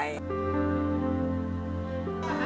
bagaimana cara mengurus sekolah alam